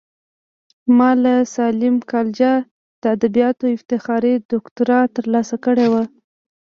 ما له ساليم کالجه د ادبياتو افتخاري دوکتورا ترلاسه کړې وه.